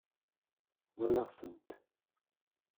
Walaɣ-tent.